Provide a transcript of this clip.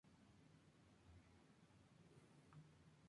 I was raised in a family dedicated to the visual arts.